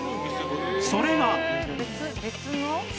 それが